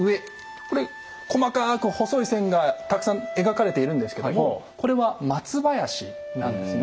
これ細かく細い線がたくさん描かれているんですけどもこれは松林なんですね。